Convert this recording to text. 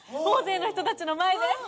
大勢の人たちの前で！